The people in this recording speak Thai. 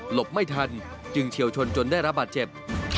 ไม่ทันจึงเฉียวชนจนได้รับบาดเจ็บ